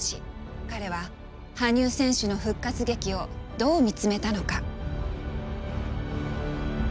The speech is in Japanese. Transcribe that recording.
彼は羽生選手の復活劇をどう見つめたのか。